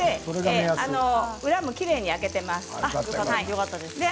裏もきれいに焼けています。